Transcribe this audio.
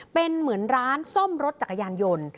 เป็นเหมือนร้านซ่อมรถจักรยานยนต์